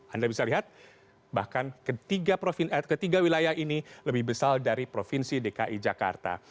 anda bisa lihat bahkan ketiga wilayah ini lebih besar dari provinsi dki jakarta